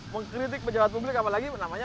mengkritik pejabat publik apalagi namanya